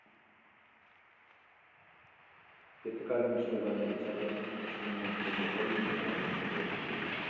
Вертыкальна ашаляваныя фасады расчлянёны прамавугольнымі аконнымі праёмамі.